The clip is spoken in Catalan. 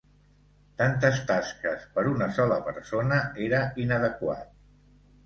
Tantes tasques per una sola persona era inadequat.